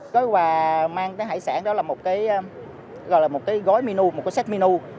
cái quà mang tới hải sản đó là một cái gói menu một cái set menu